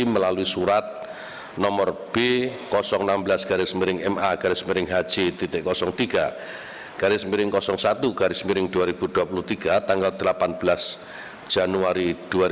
melalui surat nomor b enam belas ma hj tiga satu dua ribu dua puluh tiga tanggal delapan belas januari dua ribu dua puluh tiga